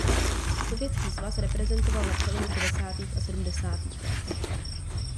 Sovětský svaz reprezentoval na přelomu šedesátých a sedmdesátých let.